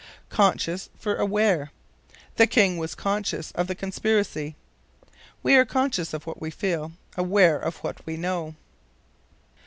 Conscious for Aware. "The King was conscious of the conspiracy." We are conscious of what we feel; aware of what we know.